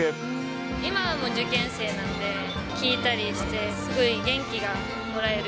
今も受験生なので、聴いたりしてすごい元気がもらえる。